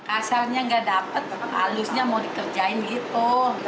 asalnya nggak dapet alusnya mau dikerjain gitu